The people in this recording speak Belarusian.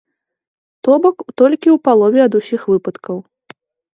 То бок, толькі ў палове ад усіх выпадкаў.